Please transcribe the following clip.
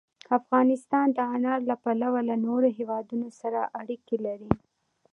افغانستان د انار له پلوه له نورو هېوادونو سره اړیکې لري.